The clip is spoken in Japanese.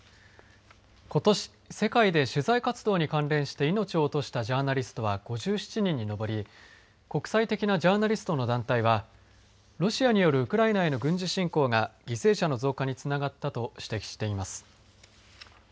ことし世界で取材活動に関連して命を落としたジャーナリストは５７人に上り、国際的なジャーナリストの団体はロシアによるウクライナへの軍事侵攻が犠牲者の増加につながったと指摘しています。